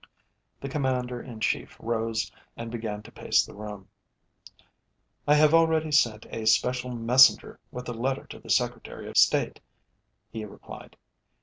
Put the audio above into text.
The Commander in Chief rose and began to pace the room. "I have already sent a special messenger with a letter to the Secretary of State," he replied.